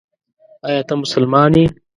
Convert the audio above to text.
ایا ته مسلمان یې ؟